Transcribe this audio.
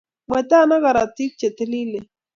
Mwetan ak karatik che tililen